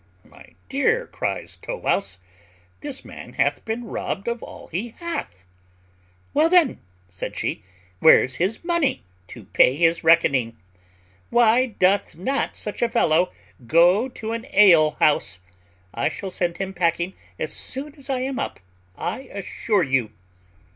"My dear," cries Tow wouse, "this man hath been robbed of all he hath." "Well then," said she, "where's his money to pay his reckoning? Why doth not such a fellow go to an alehouse? I shall send him packing as soon as I am up, I assure you."